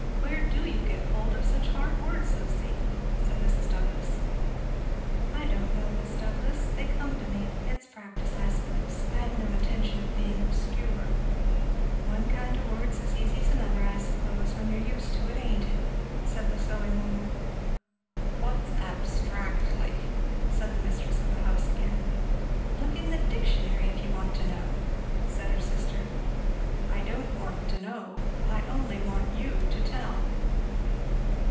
"Where do you get hold of such hard words, Lucy?" said Mrs. Douglass. "I don't know, Mis' Douglass; they come to me; it's practice, I suppose. I had no intention of being obscure." "One kind o' word's as easy as another I suppose, when you're used to it, ain't it?" said the sewing woman. "What's abstractly?" said the mistress of the house again. "Look in the dictionary, if you want to know," said her sister. "I don't want to know I only want you to tell."